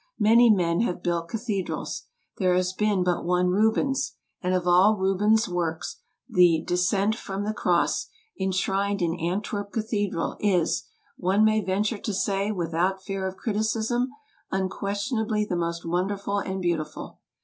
Many men have built cathedrals. There has been but one Rubens; and of all Rubens' works, the " Descent from the Cross" enshrined in Antwerp Cathe dral is, one may venture to say without fear of criticism, un questionably the most wonderful and beautiful.